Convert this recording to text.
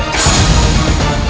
jangan lupa menerima ayah anda